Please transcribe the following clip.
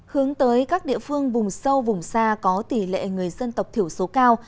hướng tới các địa phương vùng sâu vùng xa có tỷ lệ người dân tộc thiểu số cao